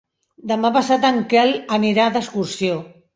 Demà passat en Quel anirà d'excursió.